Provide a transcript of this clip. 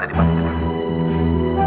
dia dengan kerumpulannya sedang berjalan